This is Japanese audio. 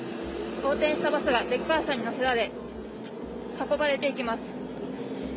横転したバスがレッカー車に乗せられ、運ばれていきます。